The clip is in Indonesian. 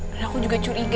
dan aku juga curiga